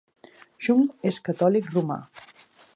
Jung és catòlic romà.